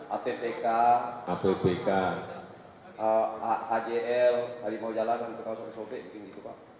aptk abbk ajl hari mau jalan hari mau mau s o p mungkin gitu pak